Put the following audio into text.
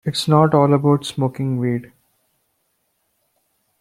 It's not all about smoking weed.